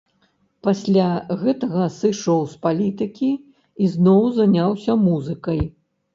Пасля гэтага сышоў з палітыкі і зноў заняўся музыкай.